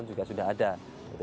ya mudah mudahan nanti kemudian